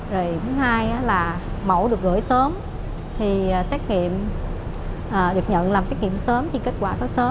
rồi thứ hai là mẫu được gửi sớm thì xét nghiệm được nhận làm xét nghiệm sớm thì kết quả rất sớm